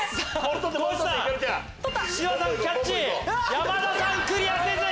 山田さんクリアせず。